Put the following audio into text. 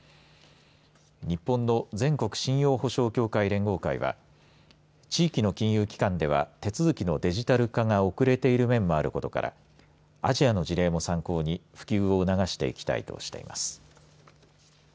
日本の全国信用保証協会連合会は地域の金融機関では手続きのデジタル化が遅れている面もあることからアジアの事例も参考に普及を促していきたいとしています。